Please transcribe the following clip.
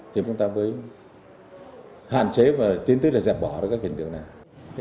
thì chúng ta với hạn chế và tiến tức là dẹp bỏ các hiện tượng này